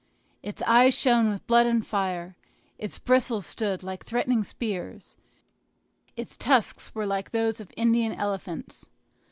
Its eyes shone with blood and fire, its bristles stood like threatening spears, its tusks were like those of Indian elephants.